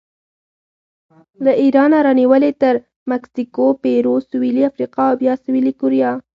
له ایرانه رانیولې تر مکسیکو، پیرو، سویلي افریقا او بیا سویلي کوریا